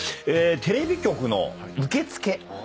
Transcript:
テレビ局の受付。